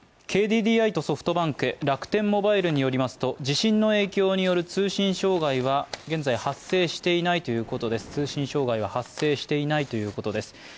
ＫＤＤＩとソフトバンク、楽天モバイルによりますと地震の影響による通信障害は、現在発生していないということ通信障害は発生していないということです。